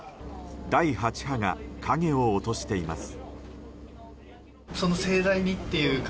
第８波が影を落としています。